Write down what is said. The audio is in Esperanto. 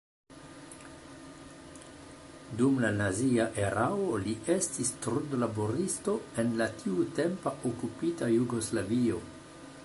Dum la nazia erao li estis trudlaboristo en la tiutempa okupita Jugoslavio.